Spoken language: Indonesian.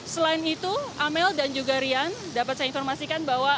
selain itu amel dan juga rian dapat saya informasikan bahwa